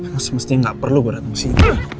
maksudnya gak perlu berantem sama si ibu